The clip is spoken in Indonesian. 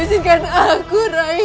isinkan aku rai